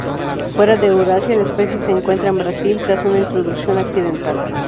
Fuera de Eurasia, la especie se encuentra en Brasil, tras una introducción accidental.